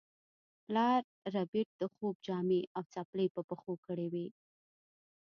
پلار ربیټ د خوب جامې او څپلۍ په پښو کړې وې